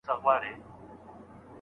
اوري له خیبره تر کنړه شپېلۍ څه وايي